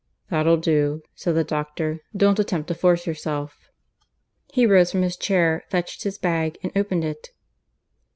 "That'll do," said the doctor. "Don't attempt to force yourself." He rose from his chair, fetched his bag and opened it.